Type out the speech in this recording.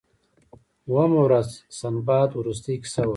اوومه ورځ سنباد وروستۍ کیسه وکړه.